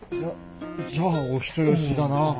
じゃあお人よしだなぁ。